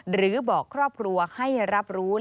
หรือบอกครอบครัวให้รับรู้